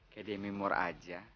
kayak demi moore saja